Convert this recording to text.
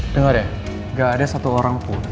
tengok deh gak ada satu orang pun